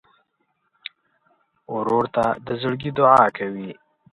ورور ته د زړګي دعاء کوې.